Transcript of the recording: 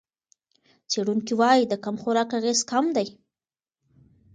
څېړونکي وايي د کم خوراک اغېز کم دی.